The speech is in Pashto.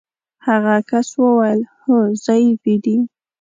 هغه کس وویل: هو ضعیفې دي.